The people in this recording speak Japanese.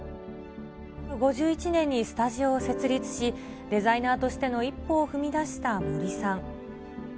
１９５１年にスタジオを設立し、デザイナーとしての一歩を踏み出した森さん。